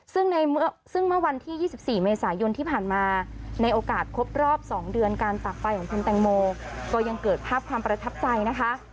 ซึ่งเมื่อวันที่๒๔เมษายนที่ผ่านมาในโอกาสครบรอบ๒เดือนการจากไปของคุณแตงโมก็ยังเกิดภาพความประทับใจนะคะ